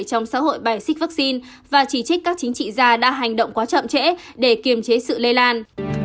trong xã hội bài xích vaccine và chỉ trích các chính trị gia đã hành động quá chậm trễ để kiềm chế sự lây lan